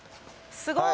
すごい。